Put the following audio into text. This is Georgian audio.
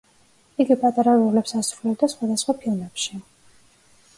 იგი პატარა როლებს ასრულებდა სხვადასხვა ფილმებში.